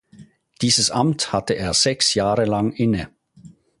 Dieses Amt hatte er sechs Jahre lang inne.